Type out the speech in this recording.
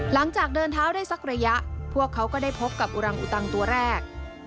หลังจากเดินเท้าได้สักระยะพวกเขาก็ได้พบกับอุรังอุตังตัวแรก